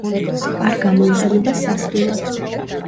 არ გამოიყენება სასმელად.